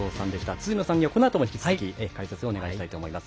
辻野さんにはこのあとも引き続き解説をお願いしたいと思います。